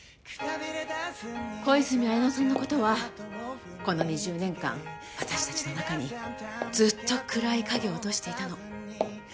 小泉文乃さんのことはこの２０年間私たちの中にずっと暗い影を落としていたの。